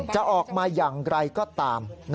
จะออกมาอย่างไรก็ตาม